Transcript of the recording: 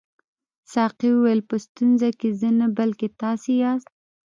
ساقي وویل په ستونزه کې زه نه بلکې تاسي یاست.